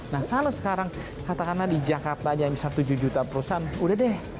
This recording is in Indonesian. nah kalau sekarang katakanlah di jakarta aja bisa tujuh juta perusahaan udah deh